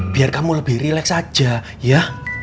biar kamu lebih relax aja ya